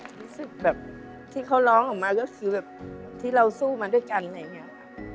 รู้สึกแบบที่เขาร้องออกมาก็คือแบบที่เราสู้มาด้วยกันอะไรอย่างนี้ค่ะ